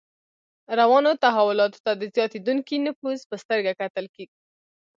روانو تحولاتو ته د زیاتېدونکي نفوذ په سترګه کتل.